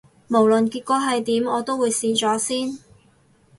無論結果係點，我都會試咗先